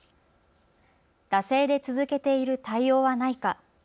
惰性で続けている対応はないか。